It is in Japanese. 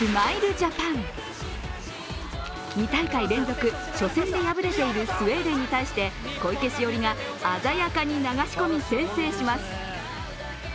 ２大会連続、初戦で敗れているスウェーデンに対して小池詩織が鮮やかに流し込み先制します。